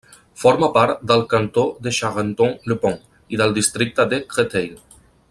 Forma part del cantó de Charenton-le-Pont i del districte de Créteil.